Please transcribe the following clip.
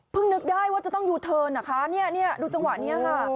พึ่งนึกได้ว่าจะต้องยูทเทิร์นนะคะนี่ดูจังหวะนี้ค่ะ